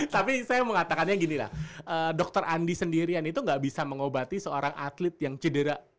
tapi saya mengatakannya ginilah dokter andi sendirian itu gak bisa mengobati seorang atlet yang cedera